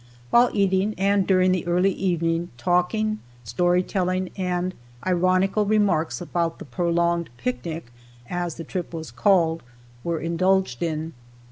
While eating and during the early evening, talking, story telling and ironical remarks about the prolonged picnic as the trip was called were indulged in.